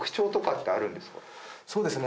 そうですね